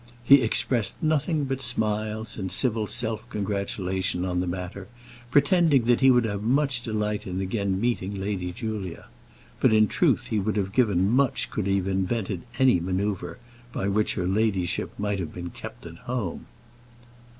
He expressed nothing but smiles and civil self congratulation on the matter, pretending that he would have much delight in again meeting Lady Julia; but, in truth, he would have given much could he have invented any manoeuvre by which her ladyship might have been kept at home.